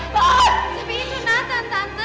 tapi itu nathan tante